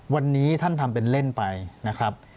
วันนี้ท่านทำเป็นเล่นไปนะครับ